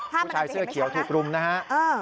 ผู้ชายเสื้อเขียวถูกรุมนะฮะ